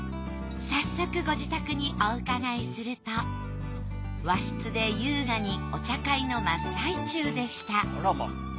早速ご自宅にお伺いすると和室で優雅にお茶会の真っ最中でした。